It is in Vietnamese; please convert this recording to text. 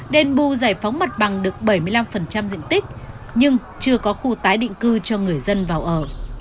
đền bù giải phóng mặt bằng được bảy mươi năm diện tích nhưng chưa có khu tái định cư cho người dân vào ở